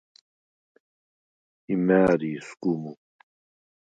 იმ’ა̄̈̈რი ისგუ მუ?